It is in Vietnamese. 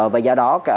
và do đó